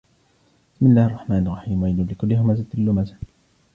بِسْمِ اللَّهِ الرَّحْمَنِ الرَّحِيمِ وَيْلٌ لِكُلِّ هُمَزَةٍ لُمَزَةٍ